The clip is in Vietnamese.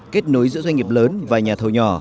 kết nối giữa doanh nghiệp lớn và nhà thầu nhỏ